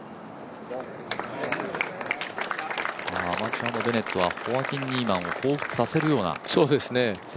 アマチュアのベネットはホアキン・ニーマンを彷彿させるような。